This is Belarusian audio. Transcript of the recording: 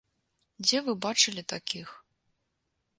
Дзе вы бачылі такіх?